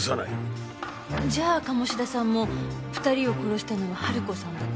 じゃあ鴨志田さんも２人を殺したのは春子さんだと？